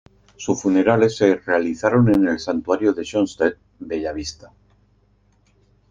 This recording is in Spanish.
Sus funerales se realizaron en el Santuario de Schoenstatt Bellavista.